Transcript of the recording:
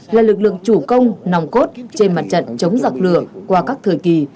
là lực lượng chủ công nòng cốt trên mặt trận chống giặc lửa qua các thời kỳ